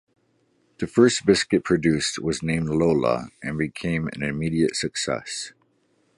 The first biscuit produced was named "Lola" and became an immediate success.